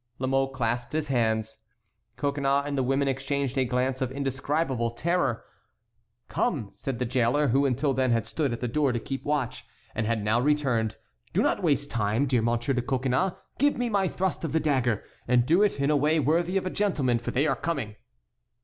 La Mole clasped his hands. Coconnas and the women exchanged a glance of indescribable terror. "Come," said the jailer, who until then had stood at the door to keep watch, and had now returned, "do not waste time, dear Monsieur de Coconnas; give me my thrust of the dagger, and do it in a way worthy of a gentleman, for they are coming."